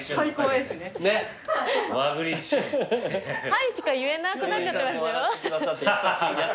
「はい」しか言えなくなっちゃってますよ。